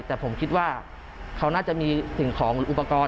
แต่ผมคิดว่าเขาน่าจะมีสิ่งของหรืออุปกรณ์